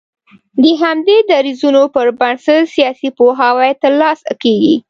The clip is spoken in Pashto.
د همدې درځونو پر بنسټ سياسي پوهاوی تر لاسه کېږي